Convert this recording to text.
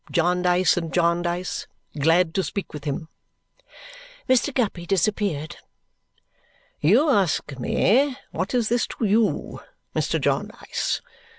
Jarndyce and Jarndyce. Glad to speak with him." Mr. Guppy disappeared. "You ask me what is this to you, Mr. Jarndyce.